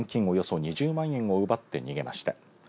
およそ２０万円を奪って逃げました。